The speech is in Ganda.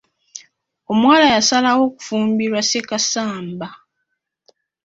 Omuwala yasalawo kufumbirwa Ssekasamba.